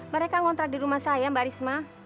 mereka ngontrak di rumah saya mbak risma